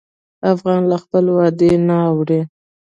افغان له خپل وعدې نه اوړي.